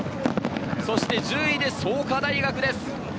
そして１０位で創価大学です。